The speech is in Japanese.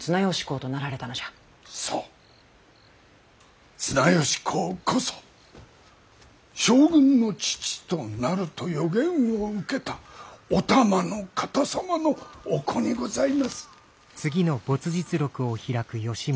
そう綱吉公こそ「将軍の父となる」と予言を受けたお玉の方様のお子にございます。